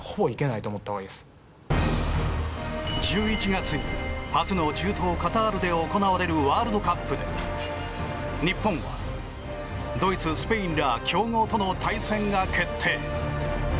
１１月に初の中東カタールで行われるワールドカップで日本はドイツ、スペインら強豪との対戦が決定。